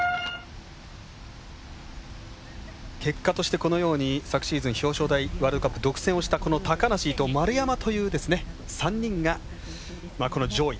結果として、このように昨シーズン、表彰台ワールドカップ独占をした高梨、伊藤、丸山という３人が上位。